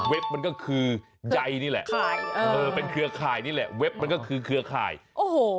มันก็คือใยนี่แหละเออเป็นเครือข่ายนี่แหละเว็บมันก็คือเครือข่ายโอ้โห